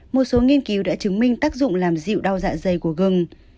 một số nghiên cứu đã chứng minh tác dụng làm dịu đau dạ dày của gừng